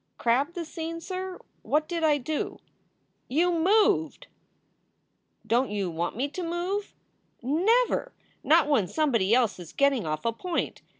"Crab the scene, sir? What did I do?" "You moved." SOULS FOR SALE 339 " Don t you want me to move?" "Never! Not when somebody else is getting off a point.